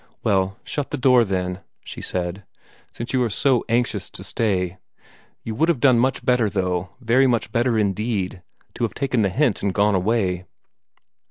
"Well, shut the door, then," she said, "since you are so anxious to stay. You would have done much better, though, very much better indeed, to have taken the hint and gone away."